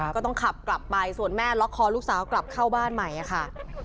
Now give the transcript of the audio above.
ก็ต้องขับกลับไปส่วนแม่ล็อกคอลูกสาวกลับเข้าบ้านใหม่ค่ะ